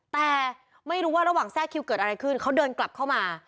แต่ไม่รู้ว่าระหว่างแทรกคิวเกิดอะไรขึ้นเขาเดินกลับเข้ามา